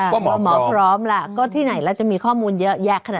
ว่าหมอพร้อมว่าหมอพร้อมล่ะก็ที่ไหนแล้วจะมีข้อมูลเยอะแยกขนาดไหน